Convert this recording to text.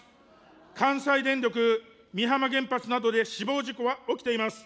関西電力美浜原発などで死亡事故は起きています。